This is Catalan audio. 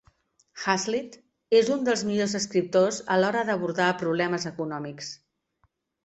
Hazlitt és un dels millors escriptors a l'hora d'abordar problemes econòmics.